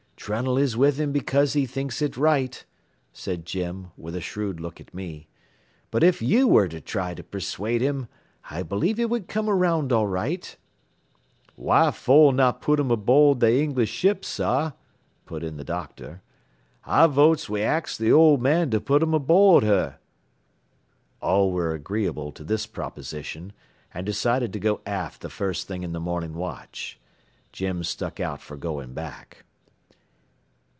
"Trunnell is with him because he thinks it right," said Jim, with a shrewd look at me; "but if you were to try to persuade him, I believe he would come around all right." "Why fo' not put him abo'ad the English ship, sah," put in the "doctor." "I votes we ax the ole man to put 'im abo'ad her." All were agreeable to this proposition and decided to go aft the first thing in the morning watch. Jim stuck out for going back.